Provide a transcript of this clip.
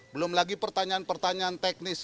belum lagi pertanyaan pertanyaan teknis